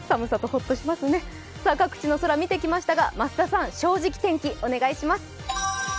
各地の空、見てきましたが、増田さん「正直天気」お願いします。